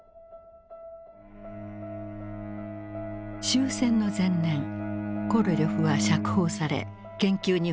終戦の前年コロリョフは釈放され研究に復帰した。